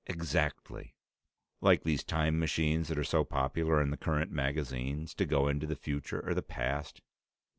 "Exactly." "Like these time machines that are so popular in the current magazines? To go into the future or the past?"